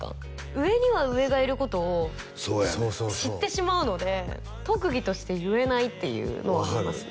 上には上がいることを知ってしまうので特技として言えないっていうのはありますね